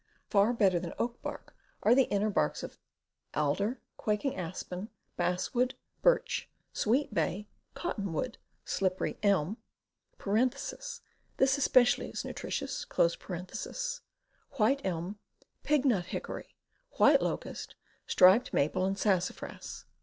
Far better than oak bark are the inner barks of alder, quaking aspen, basswood, birch, sweet bay, cottonwood, shppery elm (this especially is nutritious), white elm, pignut hickory, yellow locust, striped maple, and sassafras.